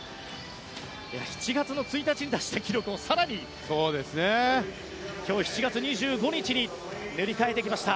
７月の１日に出している記録を更に今日、７月２５日に塗り替えてきました。